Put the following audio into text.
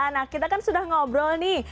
nah kita kan sudah ngobrol nih